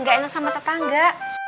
gak enak sama tetangga